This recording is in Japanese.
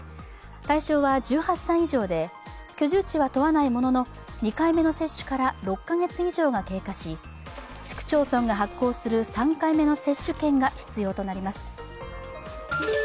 対象は１８歳以上で居住地は問わないものの２回目の接種から６カ月以上が経過し市区町村が発行する３回目の接種券が必要となります。